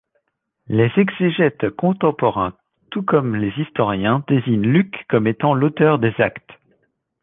Les exégètes contemporains, tout comme les historiens, désignent Luc comme étant l'auteur des Actes.